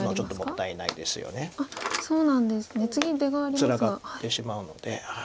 ツナがってしまうので。